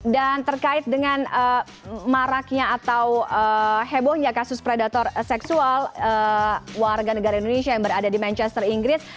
dan terkait dengan maraknya atau hebohnya kasus predator seksual warga negara indonesia yang berada di manchester inggris